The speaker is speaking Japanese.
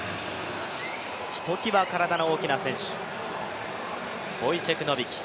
ひときわ体の大きな選手、ボイチェク・ノビキ。